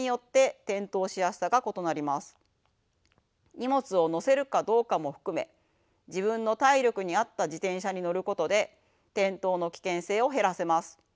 荷物を載せるかどうかも含め自分の体力に合った自転車に乗ることで転倒の危険性を減らせます。